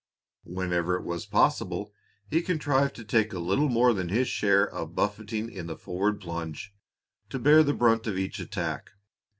Whenever it was possible, he contrived to take a little more than his share of buffeting in the forward plunge, to bear the brunt of each attack.